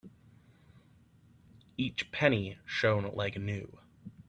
Each penny shone like new.